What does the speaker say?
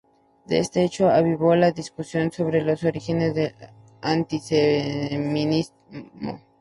Este hecho avivó la discusión sobre los orígenes del antisemitismo.